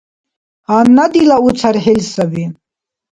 Гьанна дила у цархӀил саби.